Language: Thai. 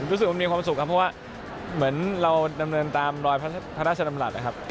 รู้สึกว่ามีความสุขครับเพราะว่าเหมือนเราดำเนินตามรอยพระราชดำรัฐนะครับ